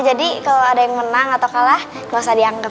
kalau ada yang menang atau kalah nggak usah dianggap